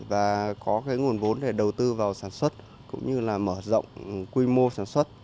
và có cái nguồn vốn để đầu tư vào sản xuất cũng như là mở rộng quy mô sản xuất